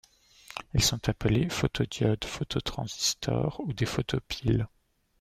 Ils sont appelés photodiodes, phototransistors ou des photopiles.